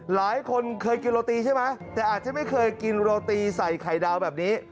หลายคนเคยกินโรตีใช่ไหมแต่อาจจะไม่เคยกินโรตีใส่ไข่ดาวแบบนี้